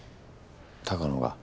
鷹野が？